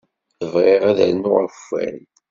Bɣiɣ ad rnuɣ akeffay.